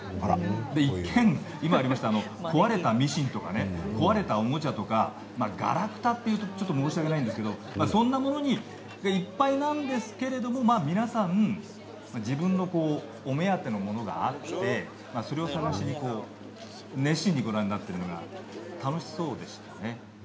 一見、壊れたミシンとか壊れたおもちゃとかがらくたというと申し訳ないんですがそんなものでいっぱいなんですが皆さん自分のお目当てのものがあってそれを探して熱心にご覧になっているのが楽しそうでしたね。